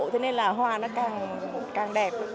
thế nên là hoa nó càng đẹp